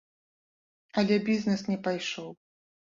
Але бізнес не пайшоў.